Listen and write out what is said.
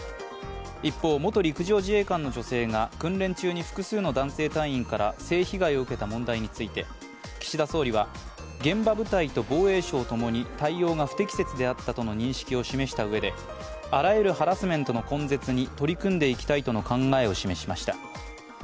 一方、元陸上自衛官の女性が訓練中に複数の男性隊員から性被害を受けた問題について岸田総理は現場部隊と防衛省共に対応が不適切であったとの認識を示したうえであらゆるハラスメントの根絶に取り組んでいきたいとの考えを示しました。